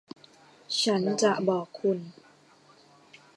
ฉันจะบอกคุณ